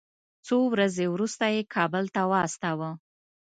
څو ورځې وروسته یې کابل ته واستاوه.